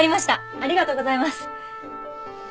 ありがとうございます！